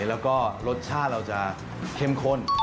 แล้วก็รสชาติเราจะเข้มข้น